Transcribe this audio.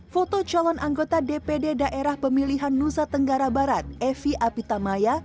foto calon anggota dpd daerah pemilihan nusa tenggara barat evi apitamaya